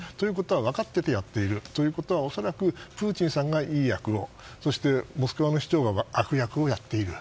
分かっていてやっているということは恐らくプーチンさんがいい役をモスクワ市長が悪役をやっている。